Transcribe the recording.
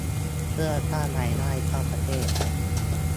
เพื่อสร้างรายได้เข้าประเทศ